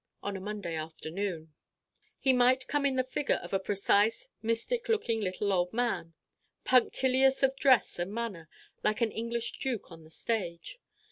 On a Monday afternoon He might come in the figure of a precise mystic looking little old man, punctilious of dress and manner like an English duke on the stage.